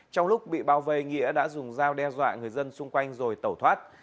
trong lúc bị bảo vệ nghĩa đã dùng dao đe dọa người dân xung quanh rồi tẩu thoát